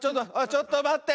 ちょっとまって。